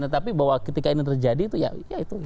tetapi ketika ini terjadi ya itu